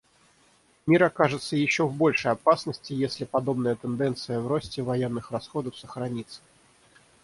Мир окажется еще в большей опасности, если подобная тенденция в росте военных расходов сохранится.